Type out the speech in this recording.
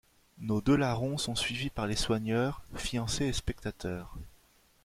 Nos deux larrons sont suivis par les soigneurs, fiancée et spectateurs.